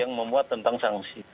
yang memuat tentang sanksi